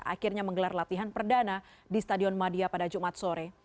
akhirnya menggelar latihan perdana di stadion madia pada jumat sore